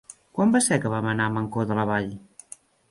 Quan va ser que vam anar a Mancor de la Vall?